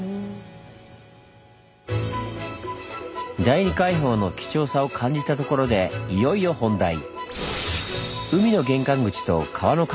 第二海堡の貴重さを感じたところでいよいよ本題！